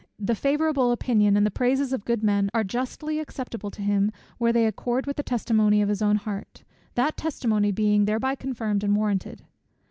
The favourable opinion and the praises of good men are justly acceptable to him, where they accord with the testimony of his own heart; that testimony being thereby confirmed and warranted.